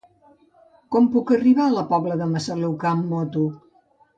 Com puc arribar a la Pobla de Massaluca amb moto?